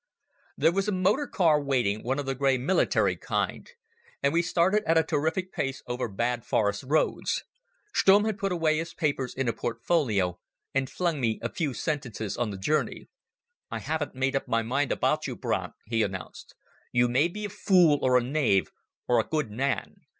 There was a motor car waiting—one of the grey military kind—and we started at a terrific pace over bad forest roads. Stumm had put away his papers in a portfolio, and flung me a few sentences on the journey. "I haven't made up my mind about you, Brandt," he announced. "You may be a fool or a knave or a good man.